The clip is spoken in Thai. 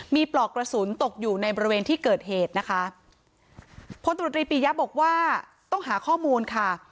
มีปลอกกระสุนตกอยู่ในบริเวณที่เกิดเหตุนะคะพลตรวจรีปียะบอกว่าต้องหาข้อมูลค่ะ